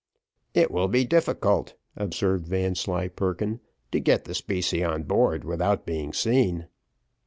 "It will be difficult," observed Vanslyperken, "to get the specie on board without being seen."